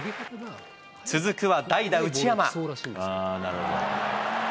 続くは代打、内山。